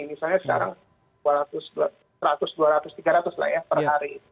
misalnya sekarang seratus dua ratus tiga ratus lah ya per hari